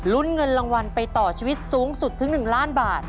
เงินรางวัลไปต่อชีวิตสูงสุดถึง๑ล้านบาท